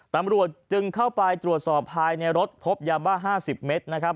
ตำรวจจึงเข้าไปตรวจสอบภายในรถพบยาบ้า๕๐เมตรนะครับ